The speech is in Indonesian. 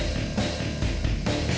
tak aktif pak